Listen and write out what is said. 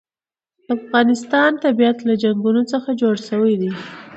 د افغانستان طبیعت له چنګلونه څخه جوړ شوی دی.